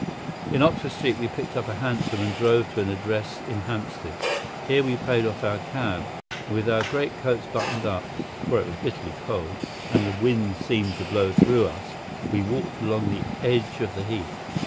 In Oxford Street we picked up a hansom and drove to an address in Hampstead. Here we paid off our cab, and with our great coats buttoned up, for it was bitterly cold and the wind seemed to blow through us, we walked along the edge of the Heath.